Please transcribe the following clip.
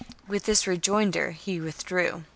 With this rejoinder he withdrew.